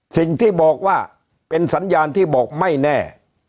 สิ่งที่บอกว่าเป็นสัญญาณที่บอกไม่แน่